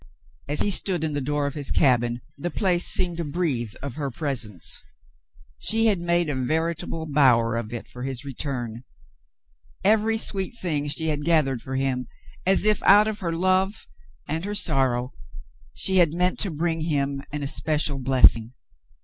As he stood in the door of his cabin, the place seemed to breathe of her presence. She had made a veritable bower of it for his return. Every sweet thing she had gathered for him, as if, out of her love and her sorrow, she had meant to bring to him an especial blessing.